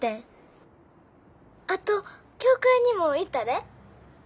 ☎あと教会にも行ったで。